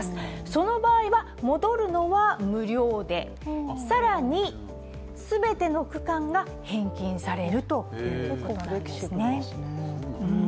その場合は、戻るのは無料で、更に、全ての区間が返金されるということです。